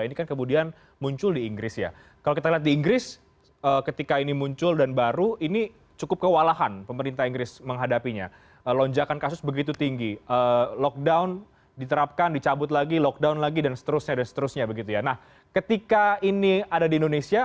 apakah sebelumnya rekan rekan dari para ahli epidemiolog sudah memprediksi bahwa temuan ini sebetulnya sudah ada di indonesia